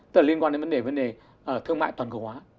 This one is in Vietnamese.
từ liên quan đến vấn đề thương mại toàn cầu hóa